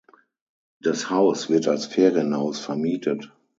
Das Haus wird als Ferienhaus vermietet.